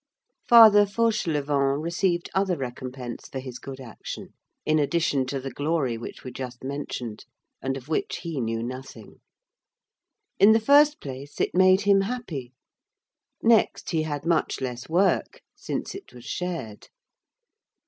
Father Fauchelevent received other recompense for his good action, in addition to the glory which we just mentioned, and of which he knew nothing; in the first place it made him happy; next, he had much less work, since it was shared.